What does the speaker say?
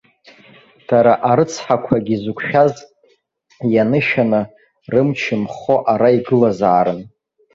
Дара арыцҳақәагь изықәшәаз ианышәаны, рымч мхо ара игылазаарын.